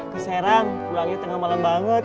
ke serang pulangnya tengah malam banget